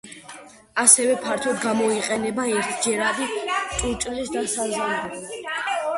ასევე ფართოდ გამოიყენება ერთჯერადი ჭურჭლის დასამზადებლად.